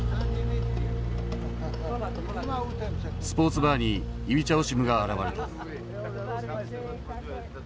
スポーツバーにイビチャ・オシムが現れた。